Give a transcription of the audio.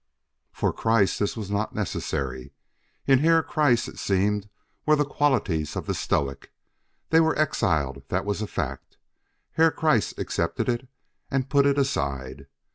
For Kreiss this was not necessary. In Herr Kreiss, it seemed, were the qualities of the stoic. They were exiled that was a fact; Herr Kreiss accepted it and put it aside.